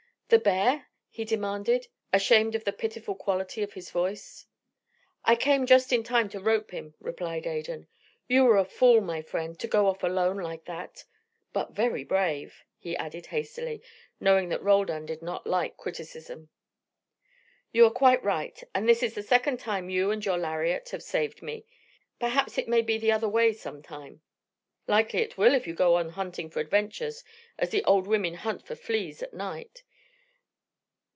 "The bear?" he demanded, ashamed of the pitiful quality of his voice. "I came just in time to rope him," replied Adan. "You were a fool, my friend, to go off alone like that but very brave," he added hastily, knowing that Roldan did not like criticism. "You are quite right. And this is the second time you and your lariat have saved me. Perhaps it may be the other way some time." "Likely it will if you go on hunting for adventures as the old women hunt for fleas of a night.